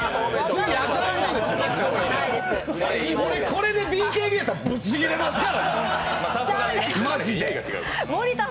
これでＢＫＢやったらブッちぎれますよ。